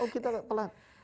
oh kita pelan